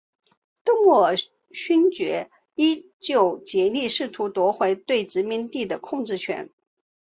邓莫尔勋爵依旧竭力试图夺回对殖民地的控制权。